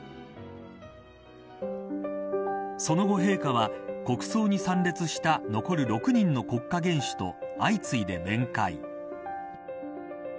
その後、陛下は、国葬に参列した残る６人の国家元首と相次いで面会。